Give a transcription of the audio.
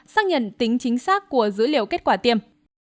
xác nhận tính chính xác của dữ liệu kết quả tiêm